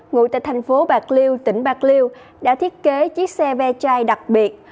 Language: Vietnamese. ngụ tại thành phố bạc liêu tỉnh bạc liêu đã thiết kế chiếc xe ve chai đặc biệt